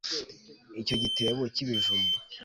Icyo gitebo cyibijumba